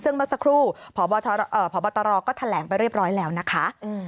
ซึ่งเมื่อสักครู่พบตรก็แถลงไปเรียบร้อยแล้วนะคะ